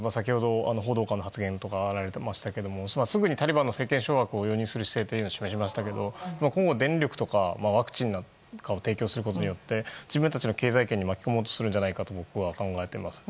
報道官の発言もありましたがすぐにタリバンの政権掌握をするという話が出ましたけど今後、電力やワクチンなんかを提供することによって自分たちの経済圏に巻き込もうとするんじゃないかと僕は考えています。